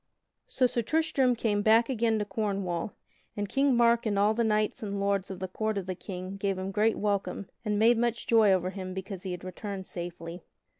_ So Sir Tristram came back again to Cornwall, and King Mark and all the knights and lords of the court of the King gave him great welcome and made much joy over him because he had returned safely.